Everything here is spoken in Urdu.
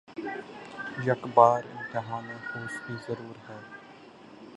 یک بار امتحانِ ہوس بھی ضرور ہے